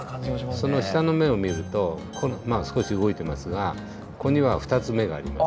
その下の芽を見るとまあ少し動いてますがここには２つ芽があります。